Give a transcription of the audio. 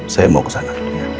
saya mau kesana